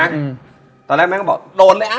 อืมตอนแรกแม่ก็บอกโดนเลยอ่ะ